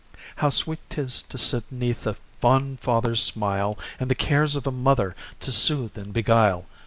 How sweet 'tis to sit 'neath a fond father's smile, And the cares of a mother to soothe and beguile!